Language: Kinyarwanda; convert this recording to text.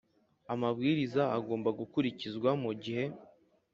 amabwiriza agomba gukurikizwa mu gihe